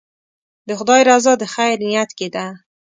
د خدای رضا د خیر نیت کې ده.